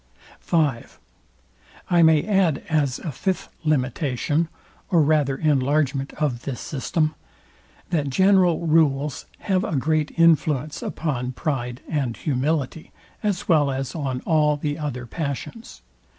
V. I may add as a fifth limitation, or rather enlargement of this system, that general rules have a great influence upon pride and humility, as well as on all the other passions.